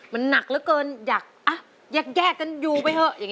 มันนักเลอะเกินอยากแยกกันอยู่ไปเถอะ